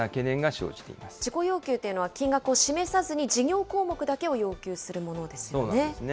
事項要求というのは金額を示さずに事業項目だけを要求するものですよね。